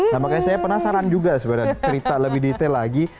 nah makanya saya penasaran juga sebenarnya cerita lebih detail lagi